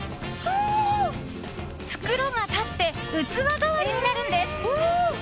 袋が立って器代わりになるんです。